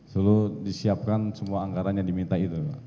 selalu disiapkan semua anggaran yang diminta itu pak